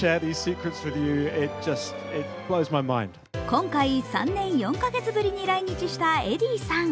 今回、３年４カ月ぶりに来日したエディさん。